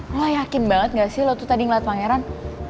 mel lo yakin banget gak sih lo tuh tadi ngeliat pangeran